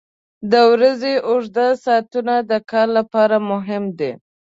• د ورځې اوږده ساعتونه د کار لپاره مهم دي.